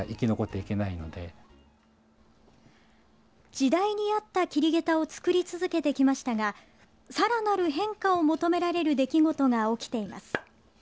時代に合った桐げたを作り続けてきましたがさらなる変化を求められる出来事が起きています。